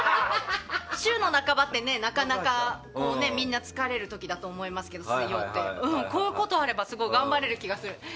週の半ばってなかなかみんな疲れる時だと思いますけどこういうことがあればすごい頑張れる気がする。